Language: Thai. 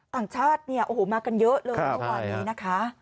ต่างชาติเนี่ยโอ้โหมากันเยอะเลยเมื่อวานนี้นะคะ